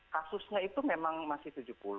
kasusnya itu memang masih tujuh puluh